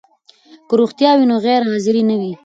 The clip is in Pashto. که روغتیا وي نو غیر حاضري نه وي.